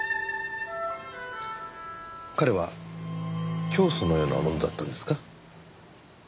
彼は教祖のようなものだったんですか？